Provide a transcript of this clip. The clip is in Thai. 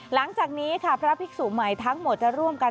หลังจากนี้ค่ะพระภิกษุใหม่ทั้งหมดจะร่วมกัน